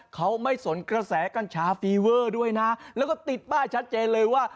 เขาไม่สนกระแสกัญชาฟีเวอร์ด้วยนะแล้วก็ติดป้ายชัดเจนเลยว่า